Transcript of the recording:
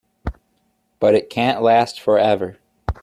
But it can't last for ever.